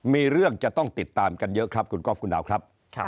มีเรื่องจะต้องติดตามกันเยอะครับคุณก๊อฟคุณดาวครับ